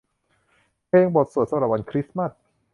เพลงบทสวดสำหรับวันคริสต์มาส